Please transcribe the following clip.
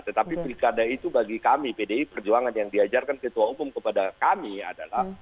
tetapi pilkada itu bagi kami pdi perjuangan yang diajarkan ketua umum kepada kami adalah